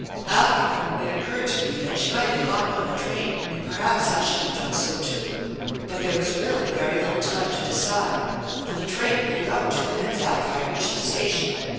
Afterward it occurred to me that she might have gotten on the train and perhaps I should have done so too, but there was really very little time to decide, for the train pulled out two minutes after I reached the station.